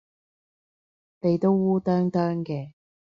你都烏啄啄嘅